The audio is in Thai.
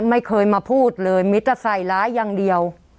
ไม่เคยมาพูดเลยมีแต่ใส่ร้ายอย่างเดียว